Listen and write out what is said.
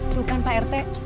tuh kan pak rt